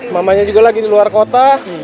mamanya juga lagi di luar kota